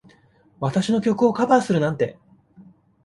私の曲をカバーするなんて。